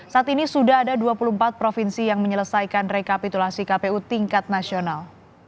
saat ini sudah ada dua puluh empat provinsi yang menyelesaikan rekapitulasi kpu tingkat nasional